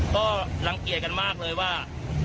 ก็รังเกียจกันมากเลยว่า